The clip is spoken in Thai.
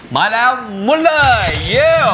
มาแล้วมุนเลย